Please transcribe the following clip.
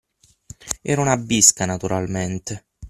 Era una bisca, naturalmente.